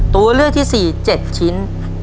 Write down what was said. ตัวเลือกที่๔๗ชิ้น